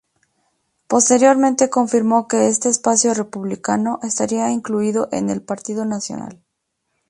Posteriormente confirmó que este "espacio republicano" estaría incluido en el Partido Nacional.